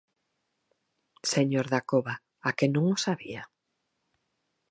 Señor Dacova, ¿a que non o sabía?